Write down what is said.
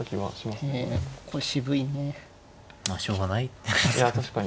まあしょうがないですか。